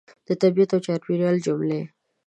د طبیعت او چاپېریال جملې